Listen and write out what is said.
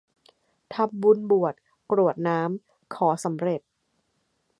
ทำบุญบวช กรวดน้ำ ขอสำเร็จ